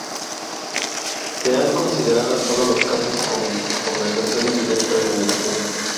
Se han considerado en todos los casos conversiones directas de energía.